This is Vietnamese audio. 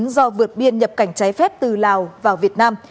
do vượt biên nhập cảnh trái phép từ lào vào việt nam